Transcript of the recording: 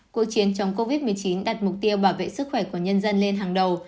cuộc chiến chống covid một mươi chín đặt mục tiêu bảo vệ sức khỏe của nhân dân lên hàng đầu